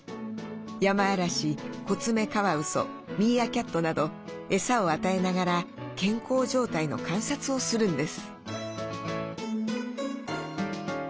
ヤマアラシコツメカワウソミーアキャットなどエサを与えながら健康状態の観察をするんです。